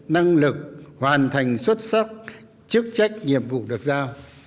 năng lực hoàn thành xuất sắc chức trách nhiệm vụ được giao